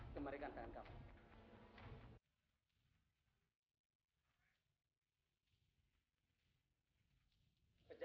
demarikan tangan kamu